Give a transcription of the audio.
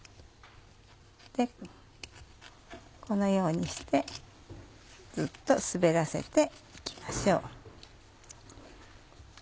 このようにしてずっと滑らせて行きましょう。